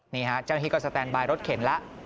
นี่ฮะเจ้าหน้าที่ก็สแตนบายรถเข็นแล้ว